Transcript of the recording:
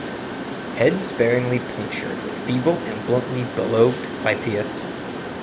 Head sparingly punctured with feeble and bluntly bilobed clypeus.